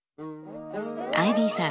アイビーさん